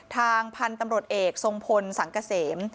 ทางพันธุ์ตำรวจเอกทรงพลสังเกษม